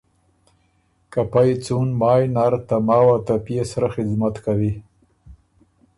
که پئ څُون مایٛ نر ته ماوه ته پئے سرۀ خدمت کوی